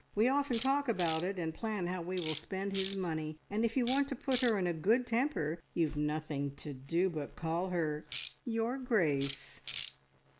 We often talk about it, and plan how we will spend his money, and if you want to put her in a good temper you've nothing to do but call her `Your Grace!'"